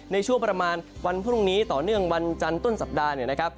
ในช่วงประมาณวันพรุ่งนี้ต่อเนื่องวันจันทร์ต้นสัปดาห์